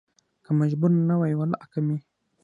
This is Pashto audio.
که مجبور نه وى ولا کې مې